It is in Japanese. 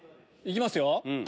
行きますよ。